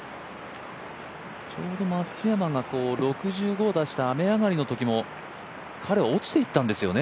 ちょうど松山が６５を出した雨上がりの日も彼は落ちていったんですよね